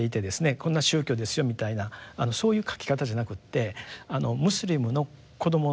こんな宗教ですよみたいなそういう書き方じゃなくてムスリムの子どもさんＡさん